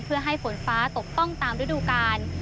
เพื่อให้ฝนฟ้าตกต้องตามฤดูกาล